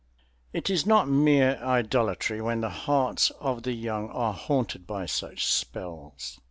It is not mere idolatry when the hearts of the young are haunted by such spells.